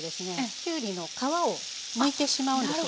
きゅうりの皮をむいてしまうんですよ。